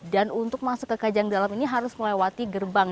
dan untuk masuk ke kajang dalam ini harus melewati gerbang